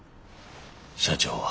社長は？